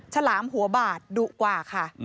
ฉลามหัวบาดดุกว่าค่ะ